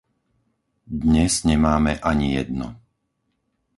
Dnes nemáme ani jedno.